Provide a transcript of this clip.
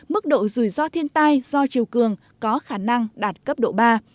mức độ rủi ro thiên tai do chiều cường có khả năng đạt cấp độ ba